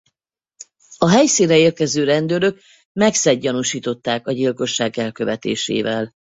A helyszínre érkező rendőrök Maxet gyanúsították a gyilkosság elkövetésével.